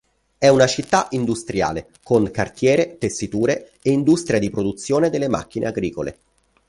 È una città industriale con cartiere, tessiture e industria di produzione delle macchine agricole.